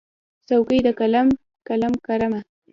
څوکې د قلم، قلم کرمه